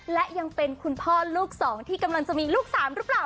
และยังเป็นคุณพ่อลูกสองที่กำลังจะมีลูก๓หรือเปล่า